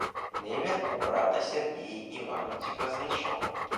Левин у брата Сергея Ивановича Кознышева.